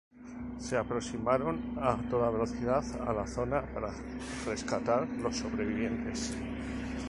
Se aproximaron a toda velocidad a la zona para rescatar a los sobrevivientes.